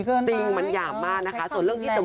ชื่อทนายอาคมนะคะเป็นคนดูแลคดีนี้ค่ะ